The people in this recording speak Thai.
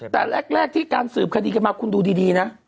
แต่แรกที่สืบคดีมาคุณดูดีนะ